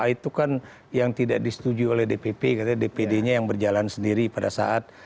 itu kan yang tidak disetujui oleh dpp katanya dpd nya yang berjalan sendiri pada saat